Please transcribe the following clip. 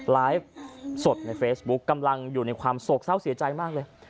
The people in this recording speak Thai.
ไลฟ์สดในเฟซบุ๊กกำลังอยู่ในความโศกเศร้าเสียใจมากเลย